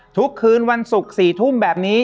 ทุกคืนวันศุกร์๔ทุ่มแบบนี้